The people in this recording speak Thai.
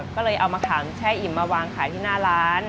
ก็เลยเอามะขามแช่อิ่มมาวางขายที่หน้าร้าน